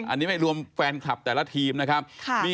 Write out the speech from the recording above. อันนี้ไม่รวมแฟนคลับแต่ละทีมนะครับ